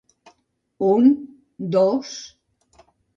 Un, dos...